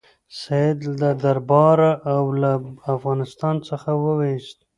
سید له درباره او له افغانستان څخه وایست.